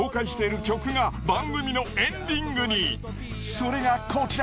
それがこちら。